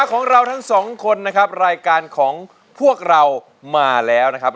ของเราทั้งสองคนนะครับรายการของพวกเรามาแล้วนะครับ